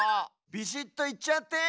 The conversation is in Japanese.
ビシッといっちゃって。